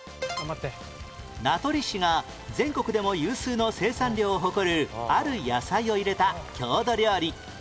名取市が全国でも有数の生産量を誇るある野菜を入れた郷土料理